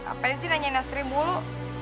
apaan sih nanyain astri bulu